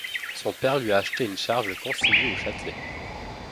Son père lui a acheté une charge de conseiller au Châtelet.